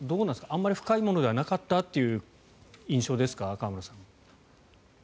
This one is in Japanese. あまり深いものではなかったという印象ですか？